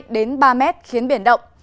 đến ba mét khiến biển động